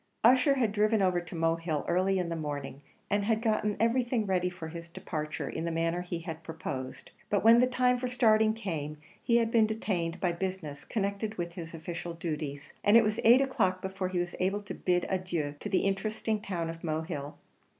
Ussher had driven over to Mohill early in the morning, and had gotten everything ready for his departure in the manner he had proposed; but when the time for starting came, he had been detained by business connected with his official duties, and it was eight o'clock before he was able to bid adieu to the interesting town of Mohill.